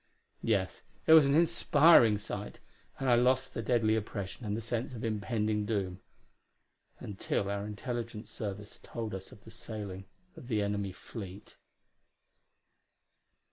Yes, it was an inspiring sight, and I lost the deadly oppression and the sense of impending doom until our intelligence service told us of the sailing of the enemy fleet.